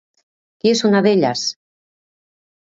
Qui és una d'elles?